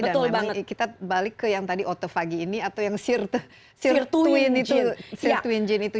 dan memang kita balik ke yang tadi otophagy ini atau yang sirtuin itu